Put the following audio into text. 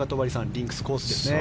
リンクスコースですね。